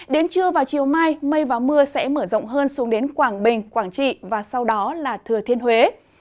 đến trưa vào chiều mai mây và mưa sẽ mở rộng hơn xuống đến quảng bình quảng trị và sau đó là thừa thiên huế